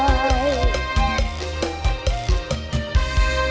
จะได้จริงเชียวไม่น่าพกมาด้วย